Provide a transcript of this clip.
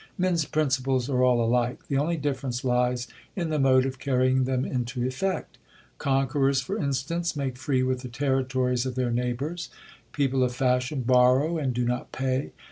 Men's principles are all alike ; the only difference lies in the mode of carrying them into effect. Conquerors, for instance, make free with the territories of their neighbours. People of fashion borrow and do not pay.